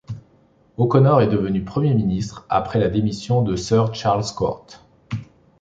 O'Connor est devenu premier ministre après la démission de Sir Charles Court.